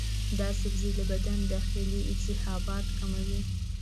دا سبزی د بدن داخلي التهابات کموي.